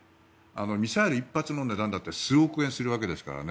ミサイル１発の値段だって数億円するわけですからね。